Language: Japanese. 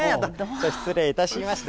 失礼いたしました。